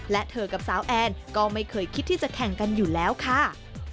และเธอกับสาวแอนก็ไม่เคยคิดที่จะแข่งกันอยู่แล้วค่ะ